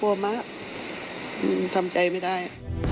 กลัวมากทำใจไม่ได้